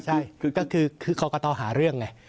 ใช่ก็คือเขาก็ต้องหาเรื่องไง